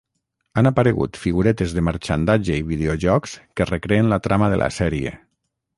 Han aparegut figuretes de marxandatge i videojocs que recreen la trama de la sèrie.